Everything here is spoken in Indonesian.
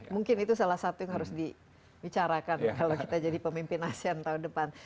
mungkin itu salah satu yang harus dibicarakan kalau kita jadi pemimpin asean tahun depan